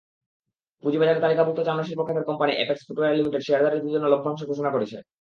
পুঁজিবাজারে তালিকাভুক্ত চামড়াশিল্প খাতের কোম্পানি অ্যাপেক্স ফুটওয়্যার লিমিটেড শেয়ারধারীদের জন্য লভ্যাংশ ঘোষণা করেছে।